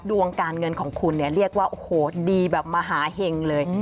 ดวงการเงินของคุณเนี่ยเรียกว่าโอ้โหดีแบบมหาเห็งเลย